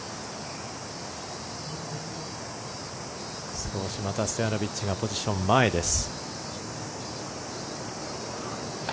少しまたストヤノビッチがポジション前です。